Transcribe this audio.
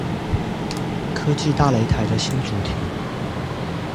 科技大擂台的新主題